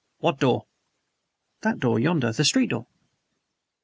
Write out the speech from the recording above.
"What door?" "That door yonder the street door."